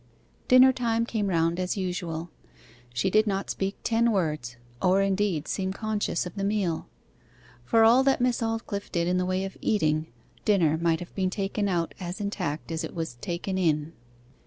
Dinner time came round as usual; she did not speak ten words, or indeed seem conscious of the meal; for all that Miss Aldclyffe did in the way of eating, dinner might have been taken out as intact as it was taken in.